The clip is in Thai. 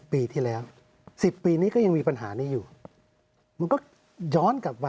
ปีที่แล้ว๑๐ปีนี้ก็ยังมีปัญหานี้อยู่มันก็ย้อนกลับมา